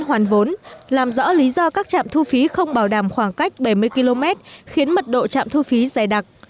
hoàn vốn làm rõ lý do các trạm thu phí không bảo đảm khoảng cách bảy mươi km khiến mật độ trạm thu phí dài đặc